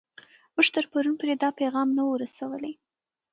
موږ تر پرون پورې دا پیغام نه و رسوولی.